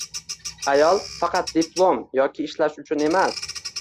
Ayol faqat diplom yoki ishlash uchun emas